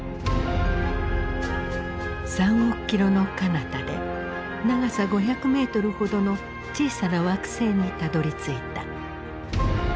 ３億キロのかなたで長さ５００メートルほどの小さな惑星にたどりついた。